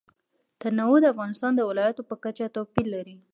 تنوع د افغانستان د ولایاتو په کچه توپیر لري.